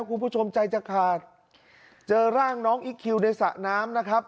คุณผู้ชมใจจะขาดเจอร่างน้องอิ๊กคิวในสระน้ำนะครับ